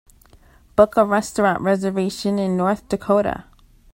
Book a restaurant reservation in North Dakota